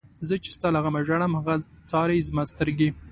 زه چی ستا له غمه ژاړم، هغه څاری زما سترگی